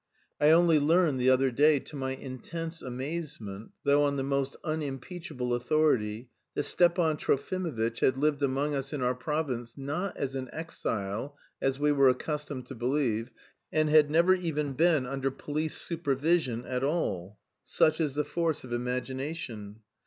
I only learned the other day to my intense amazement, though on the most unimpeachable authority, that Stepan Trofimovitch had lived among us in our province not as an "exile" as we were accustomed to believe, and had never even been under police supervision at all. Such is the force of imagination!